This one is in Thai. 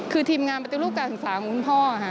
คือทีมงานปฏิรูปการศึกษาของคุณพ่อค่ะ